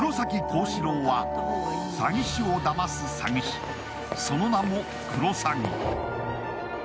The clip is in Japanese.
高志郎は詐欺師をだます詐欺師、その名もクロサギ。